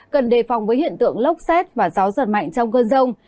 cần đề phòng với hiện tượng lốc xét và gió giật mạnh trong cơn rông